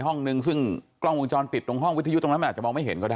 ห้องนึงซึ่งกล้องวงจรปิดตรงห้องวิทยุตรงนั้นมันอาจจะมองไม่เห็นก็ได้